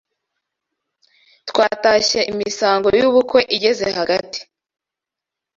Twatashye Imisango y’ ubukwe igeze hagati